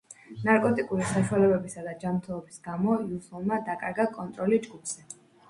ნარკოტიკული საშუალებებისა და ჯანმრთელობის გამო უილსონმა დაკარგა კონტროლი ჯგუფზე.